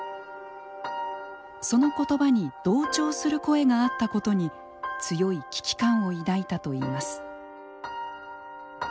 そのことばに同調する声があったことに強い危機感を抱いたといいます。